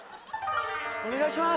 お願いします！